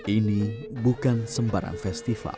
ini bukan sembarang festival